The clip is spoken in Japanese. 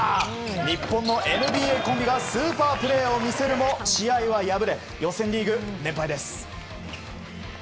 日本のＮＢＡコンビがスーパープレーを見せるも試合は敗れ、予選リーグ連敗です。